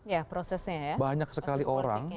ya prosesnya banyak sekali orang